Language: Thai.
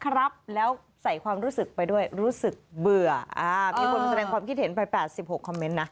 ก็ไม่ไหวนะครับแล้วใส่ความรู้สึกไปด้วยรู้สึกเบื่ออ่ะมีคนแสดงความคิดเห็นไปแปดสิบหกคอมเมนต์นะ